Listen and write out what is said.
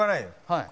はい。